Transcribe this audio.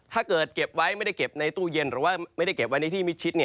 เก็บไว้ไม่ได้เก็บในตู้เย็นหรือว่าไม่ได้เก็บไว้ในที่มิดชิด